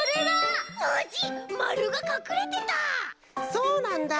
そうなんだ！